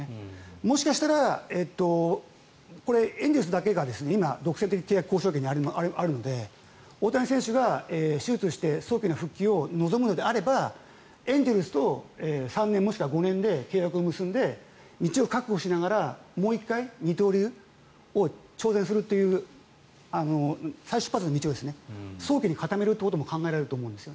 もしかしたらエンゼルスだけが今、独占的に契約交渉権があるので大谷選手が手術して早期の復帰を望むのであればエンゼルスと３年もしくは５年で契約を結んで、道を確保しながらもう１回二刀流を挑戦するという再出発の道を早期に固めるということも考えられるんです。